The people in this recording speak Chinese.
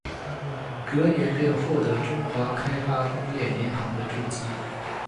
隔年便获得中华开发工业银行的注资。